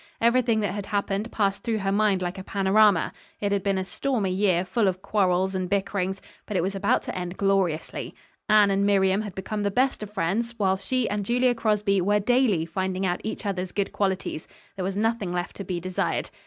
Everything that had happened passed through her mind like a panorama. It had been a stormy year, full of quarrels and bickerings, but it was about to end gloriously. Anne and Miriam had become the best of friends, while she and Julia Crosby were daily finding out each other's good qualities There was nothing left to be desired.